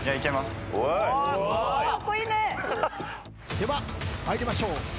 では参りましょう。